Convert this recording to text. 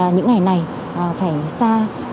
những ngày này phải xa